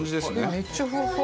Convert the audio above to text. めっちゃふわふわ。